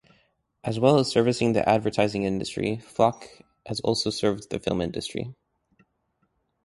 As well as servicing the advertising industry Flock has also served the film industry.